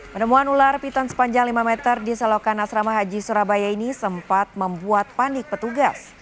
penemuan ular piton sepanjang lima meter di selokan asrama haji surabaya ini sempat membuat panik petugas